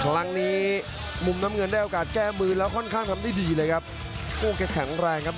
ครั้งนี้มุมน้ำเงินได้โอกาสแก้มือแล้วค่อนข้างทำได้ดีเลยครับ